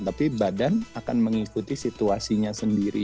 tapi badan akan mengikuti situasinya sendiri